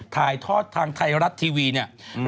ถ่ายทอดทางไทยรัฐทีวีเนี่ย